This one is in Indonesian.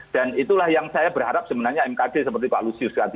dan itulah yang saya berharap sebenarnya mkd seperti pak lusius tadi